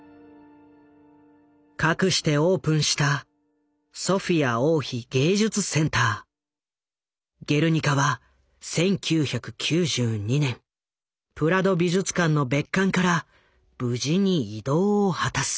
かくしてオープンした「ゲルニカ」は１９９２年プラド美術館の別館から無事に移動を果たす。